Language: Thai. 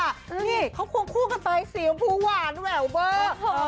นี่เขาควงคู่กันไปสีชมพูหวานแหววเวอร์